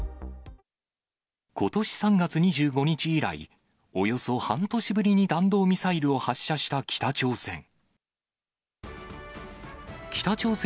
ことし３月２５日以来、およそ半年ぶりに弾道ミサイルを発射した北朝鮮。